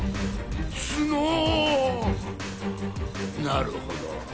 なるほど。